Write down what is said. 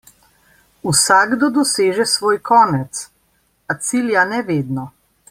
Vsakdo doseže svoj konec, a cilja ne vedno.